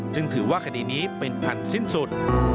จึงถือว่าคดีนี้เป็นพันธุ์สิ้นสุด